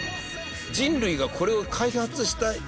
人類がこれを開発した。